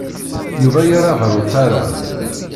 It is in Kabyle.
Yuba yerra ɣer utaram.